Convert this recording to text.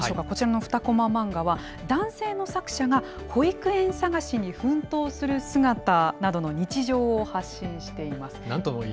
こちらの２コママンガは、男性の作者が、保育園探しに奮闘する姿などの日常を発信しています。